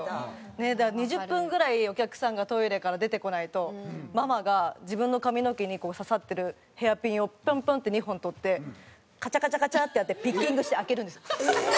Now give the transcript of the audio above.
２０分ぐらいお客さんがトイレから出てこないとママが自分の髪の毛に刺さってるヘアピンをピョンピョンって２本取ってカチャカチャカチャってやってピッキングして開けるんですよ。